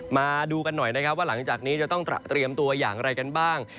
มาดูกันหน่อยนะครับว่าหลังจากนี้จะต้องเตรียมตัวอย่างไรกันบ้าง